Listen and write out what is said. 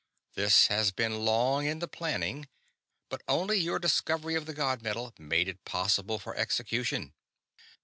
This has been long in the planning, but only your discovery of the god metal made it possible of execution."